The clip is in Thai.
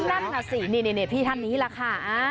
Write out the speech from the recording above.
นั่นน่ะสินี่พี่ท่านนี้แหละค่ะ